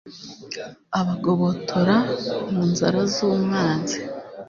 abagobotora mu nzara z’umwanzi